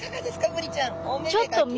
ブリちゃん。